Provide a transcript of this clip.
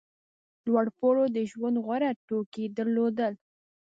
لوړپوړو د ژوند غوره توکي درلودل.